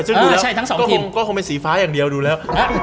ซึ่งดูแล้วก็คงเป็นสีฟ้าอย่างเดียวดูแล้ว